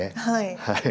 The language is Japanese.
はい。